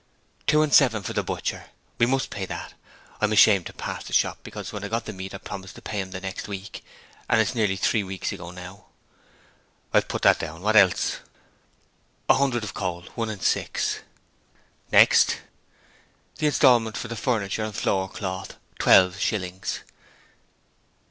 'Two and seven for the butcher. We must pay that. I'm ashamed to pass the shop, because when I got the meat I promised to pay him the next week, and it's nearly three weeks ago now.' 'I've put that down. What else?' 'A hundred of coal: one and six.' 'Next?' 'The instalment for the furniture and floor cloth, twelve shillings.'